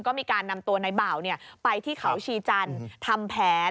ก็มีการนำตัวในบ่าวไปที่เขาชีจันทร์ทำแผน